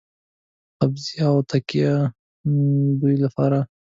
قبضه او ټیکه د دوی لپاره.